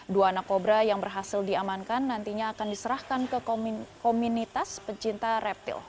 dua anak kobra yang berhasil diamankan nantinya akan diserahkan ke komunitas pecinta reptil